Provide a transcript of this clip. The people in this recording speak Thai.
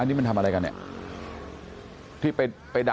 อันนี้มันทำอะไรกันเนี่ย